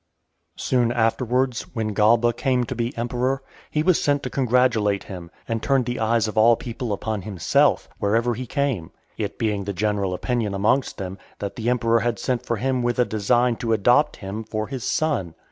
V. Soon afterwards, when Galba came to be emperor, he was sent to congratulate him, and turned the eyes of all people upon himself, wherever he came; it being the general opinion amongst them, that the emperor had sent for him with a design to adopt him for his son.